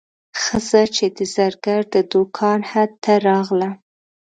ښځه چې د زرګر د دوکان حد ته راغله.